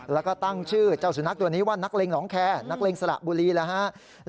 แล้วก็ตั้งชื่อเจ้าสุนัขตัวนี้ว่านักเลงหนองแคร์นักเลงสระบุรีแล้วฮะ